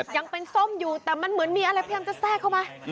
ยังเป็นส้มอยู่แต่มันเหมือนมีอะไรพยายามจะแทรกเข้ามา